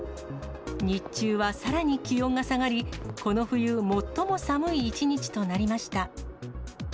日中はさらに気温が下がり、この冬、最も寒い一日となりました。